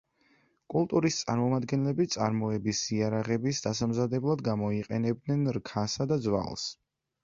კულტურის წარმომადგენლები წარმოების იარაღების დასამზადებლად გამოიყენებდნენ რქასა და ძვალს.